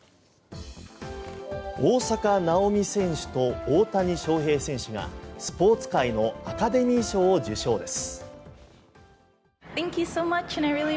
大坂なおみ選手と大谷翔平選手がスポーツ界のアカデミー賞を受賞です。